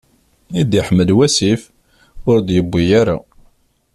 I d-iḥmel wasif, ur d-yewwi ara.